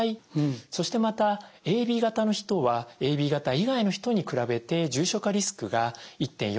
そしてまたＡＢ型の人はＡＢ型以外の人に比べて重症化リスクが１．４倍高くなる傾向が判明しました。